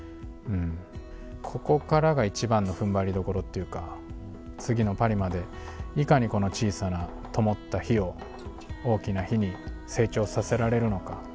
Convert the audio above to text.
ここからがいちばんの踏ん張りどころというか次のパリまでいかにこの小さなともった灯を大きな灯に成長させられるのか。